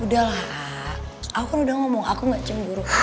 udahlah aku kan udah ngomong aku gak cemburu